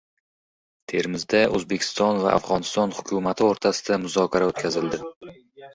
Termizda O‘zbekiston va Afg‘oniston hukumati o‘rtasida muzokara o‘tkazildi